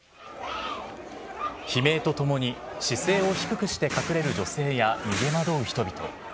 悲鳴とともに、姿勢を低くして隠れる女性や、逃げ惑う人々。